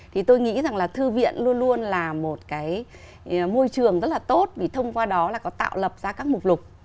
thì tôi nghĩ rằng là thư viện luôn luôn là một cái môi trường rất là tốt vì thông qua đó là có tạo lập ra các mục lục